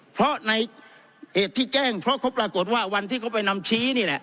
เพราะในเหตุที่แจ้งเพราะเขาปรากฏว่าวันที่เขาไปนำชี้นี่แหละ